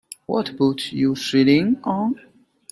What boat you sailing on?